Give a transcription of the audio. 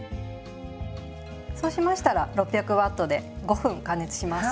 そうしましたら６００Ｗで５分加熱します。